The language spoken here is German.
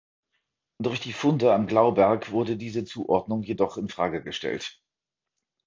Durch die Funde am Glauberg wurde diese Zuordnung jedoch in Frage gestellt.